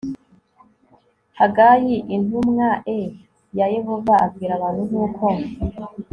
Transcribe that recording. hagayi intumwae ya yehova abwira abantu nk uko